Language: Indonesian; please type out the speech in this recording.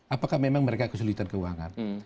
apakah memang mereka kesulitan keuangan